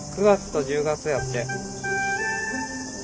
９月と１０月やって。